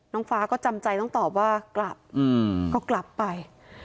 น้องฟ้าก็จำใจต้องตอบว่ากลับก็กลับไป